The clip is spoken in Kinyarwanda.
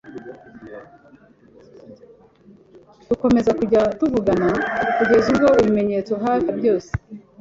dukomeza kujya tuvugana kugeza ubwo ibimenyetso hafi ya byose